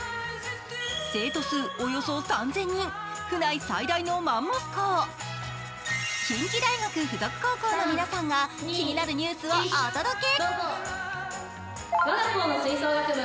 生徒数およそ３０００人、府内最大のマンモス校、近畿大学附属高校の皆さんが気になるニュースをお届け。